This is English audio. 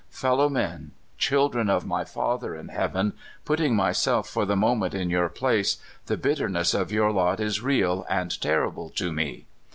Fellow men, children of my Father in heaven, putting myself for the moment in your place, the bitterness of your lot is real and terrible to me.